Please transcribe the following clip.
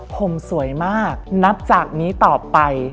ผมสวยมากนับจากนี้ต่อไป